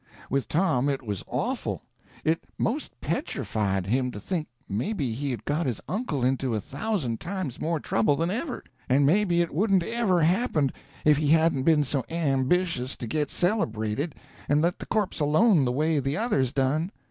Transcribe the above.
With Tom it was awful; it 'most petrified him to think maybe he had got his uncle into a thousand times more trouble than ever, and maybe it wouldn't ever happened if he hadn't been so ambitious to get celebrated, and let the corpse alone the way the others done.